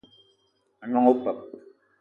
A gnong opeup